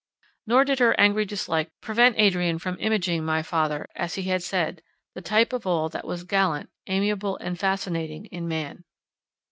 Nor did her angry dislike prevent Adrian from imaging my father, as he had said, the type of all that was gallant, amiable, and fascinating in man.